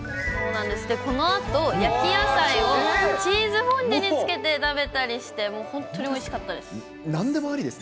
このあと、焼き野菜をチーズフォンデュにつけて食べたりして、もう本当においしかったです。